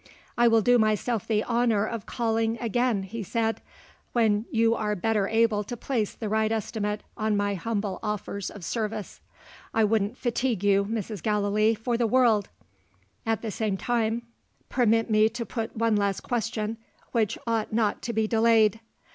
"I will do myself the honour of calling again," he said, "when you are better able to place the right estimate on my humble offers of service. I wouldn't fatigue you, Mrs. Gallilee, for the world! At the same time, permit me to put one last question which ought not to be delayed.